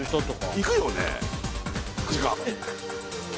行くよね。